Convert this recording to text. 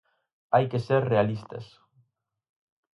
Hai que ser realistas.